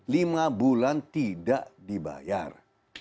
lima bulan tidak dibayar